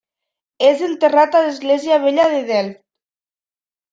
És enterrat a l'església vella de Delft.